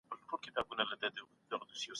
نیالګی